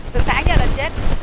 từ sáng giờ là chết